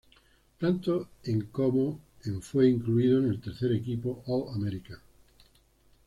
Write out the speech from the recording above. Tanto en como en fue incluido en el tercer equipo All-American.